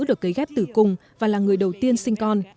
được cấy ghép tử cung và là người đầu tiên sinh con